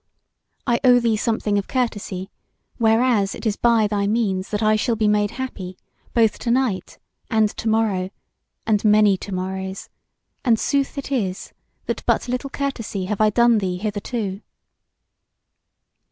I owe thee something of courtesy, whereas it is by thy means that I shall be made happy, both to night, and to morrow, and many to morrows; and sooth it is, that but little courtesy have I done thee hitherto."